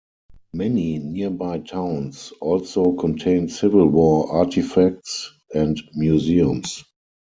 Many nearby towns also contain Civil War artifacts and museums.